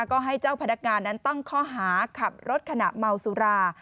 ก็ให้เจ้าพนักงานนั้นตั้งข้อหาขับรถขณะเมาสุรา